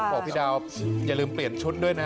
บอกพี่ดาวอย่าลืมเปลี่ยนชุดด้วยนะ